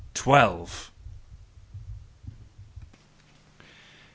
_Twelve!